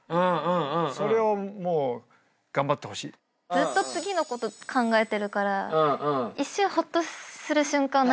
ずっと次のこと考えてるから一瞬ほっとする瞬間を何かで。